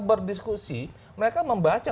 berdiskusi mereka membaca